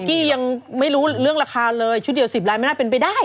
กี้ยังไม่รู้เรื่องราคาเลยชุดเดียว๑๐ล้านไม่น่าเป็นไปได้